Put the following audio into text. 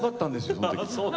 その時。